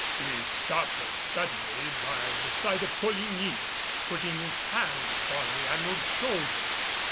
He stopped as suddenly by the side of Coligny, putting his hand upon the Admiral's shoulder.